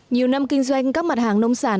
nhiều năm kinh doanh các mặt hàng nông sản